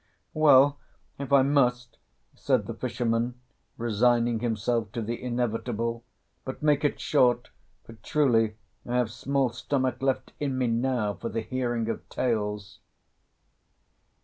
"Well, if I must!" said the fisherman, resigning himself to the inevitable; "but make it short, for truly I have small stomach left in me now for the hearing of tales."